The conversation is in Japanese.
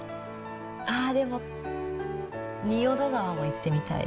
ああ、でも、仁淀川も行ってみたい。